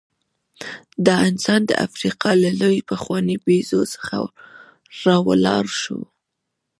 دا انسان د افریقا له یوې پخوانۍ بیزو څخه راولاړ شو.